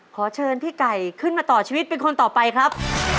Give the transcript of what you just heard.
ขอเชิญพี่ไก่ขึ้นมาต่อชีวิตเป็นคนต่อไปครับ